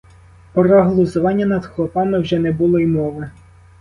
Про глузування над хлопами вже не було й мови.